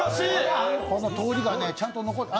この通りがちゃんと残ってて。